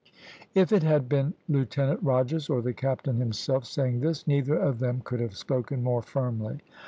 "If it had been Lieutenant Rogers or the captain himself saying this, neither of them could have spoken more firmly.